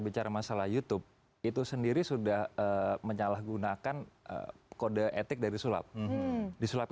bicara masalah youtube itu sendiri sudah menyalahgunakan kode etik dari sulap disulap